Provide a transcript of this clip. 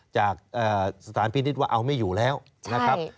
จากสถานพินิษฐ์ว่าเอาไม่อยู่แล้วนะครับ